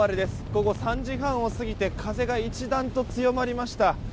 午後３時半を過ぎて風が一段と強まりました。